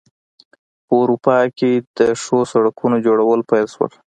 په اروپا کې د ښو سړکونو جوړول پیل شول.